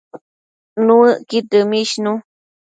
Nuëcqud dëmishnu